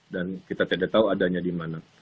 dan kita tidak tahu adanya di mana